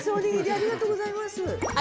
ありがとうございます！